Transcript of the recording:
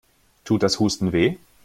Tut das Husten weh?